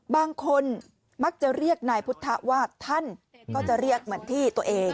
บางคนมักจะเรียกนายพุทธว่าท่านก็จะเรียกเหมือนที่ตัวเอง